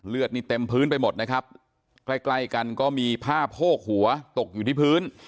เลือดเต็มพื้นไปหมดใกล้กันก็มีผ้าโพกหัวตกอยู่ที่พื้น